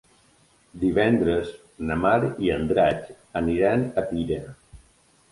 Divendres na Mar i en Drac aniran a Pira.